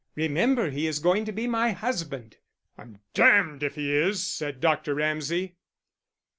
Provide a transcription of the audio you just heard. Remember he is going to be my husband." "I'm damned if he is!" said Dr. Ramsay.